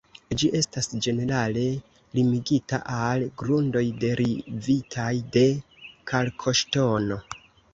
Ĝi estas ĝenerale limigita al grundoj derivitaj de kalkoŝtono.